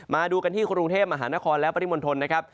มาดูกันที่กรุงเทพมหานครและปริมณฑลนะครับ